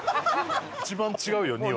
一番違うよ「２」は。